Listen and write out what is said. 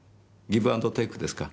ギブアンドテークですか？